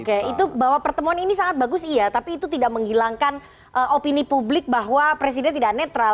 oke itu bahwa pertemuan ini sangat bagus iya tapi itu tidak menghilangkan opini publik bahwa presiden tidak netral